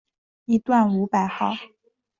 一段五百号